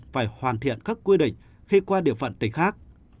phải hoàn thiện các quy định khi qua địa phận tỉnh khác